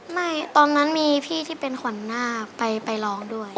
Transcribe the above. ไม่ตอนนั้นมีพี่ที่เป็นขวัญนาคไปร้องด้วย